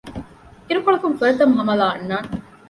އިރުކޮޅަކުން ފުރަތަމަަ ހަމަލާ އަންނާނެ